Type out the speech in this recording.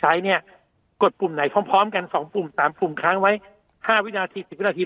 อันนี้กดปุ่มไหนพร้อมกัน๒๓ปุ่มค้างไว้๕๑๐วินาที